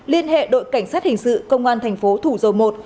liên hệ đội cảnh sát hình sự công an thành phố thủ dầu một